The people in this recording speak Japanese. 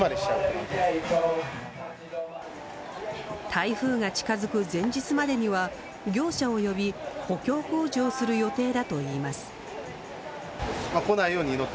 台風が近づく前日までには業者を呼び補強工事をする予定だといいます。